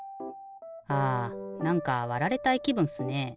はあなんかわられたいきぶんっすね。